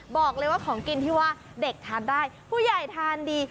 บอกเลยว่าของกินที่ว่าเด็กทานได้ผู้ใหญ่ทานดี